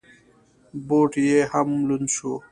بوټ یې هم لوند شو.